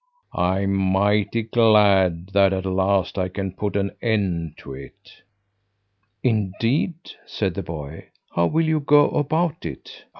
I'm mighty glad that at last I can put an end to it!" "Indeed!" said the boy. "How will you go about it?"